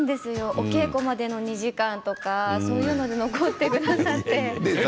お稽古までのお時間とかそういうのに残ってくださって。